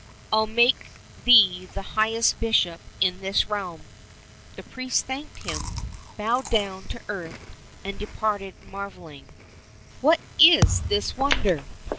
I'll make thee the highest bishop in this realm." The priest thanked him, bowed down to the earth, and departed marvelling. " What is this wonder